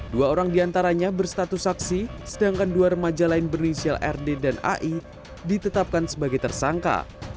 dua orang diantaranya berstatus saksi sedangkan dua remaja lain berinisial rd dan ai ditetapkan sebagai tersangka